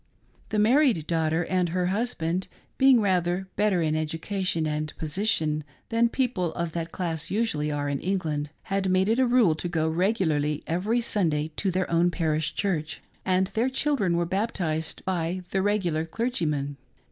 The married daughter and her husband being rather better in education and position than people of that class usually are in England, had made it a rule to go regularly every Sunday to their own parish church, and their children were baptized by the regular clergyman.